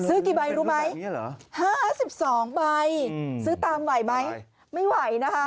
ซื้อกี่ใบรู้ไหม๕๒ใบซื้อตามไหวไหมไม่ไหวนะคะ